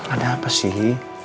ada apa sih